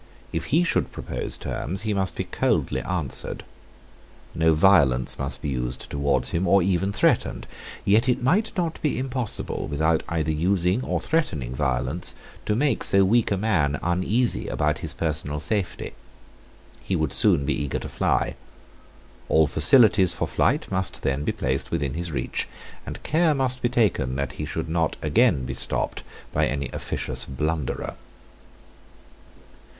If he should propose terms he must be coldly answered. No violence must be used towards him, or even threatened. Yet it might not be impossible, without either using or threatening violence, to make so weak a man uneasy about his personal safety. He would soon be eager to fly. All facilities for flight must then be placed within his reach; and care must be taken that he should not again be stopped by any officious blunderer.